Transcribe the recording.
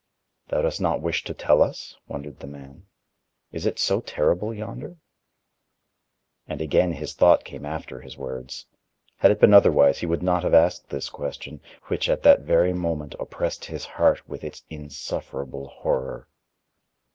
"Thou dost not wish to tell us," wondered the man, "is it so terrible yonder?" And again his thought came after his words. Had it been otherwise, he would not have asked this question, which at that very moment oppressed his heart with its insufferable horror.